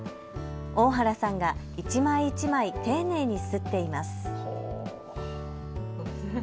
大原さんが一枚一枚丁寧に刷っています。